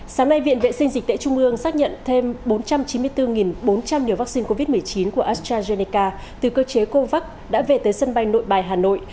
sáng nay viện vệ sinh dịch tễ trung ương xác nhận thêm bốn trăm chín mươi bốn bốn trăm linh liều vaccine covid một mươi chín của astrazeneca từ cơ chế covax đã về tới sân bay nội bài hà nội